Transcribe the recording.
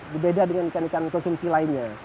berbeda dengan ikan ikan konsumsi lainnya